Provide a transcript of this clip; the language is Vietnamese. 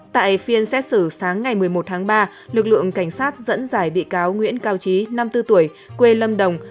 tại phiên xét xử sáng ngày một mươi một tháng ba lực lượng cảnh sát dẫn giải bị cáo nguyễn cao trí năm mươi bốn tuổi quê lâm đồng